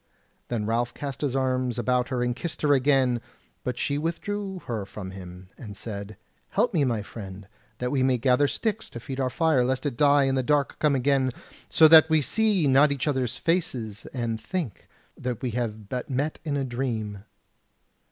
Then Ralph cast his arms about her and kissed her again; but she withdrew her from him, and said: "Help me, my friend, that we may gather sticks to feed our fire, lest it die and the dark come again so that we see not each other's faces, and think that we have but met in a dream."